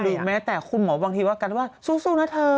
แม้แต่คุณหมอบางทีว่ากันว่าสู้นะเธอ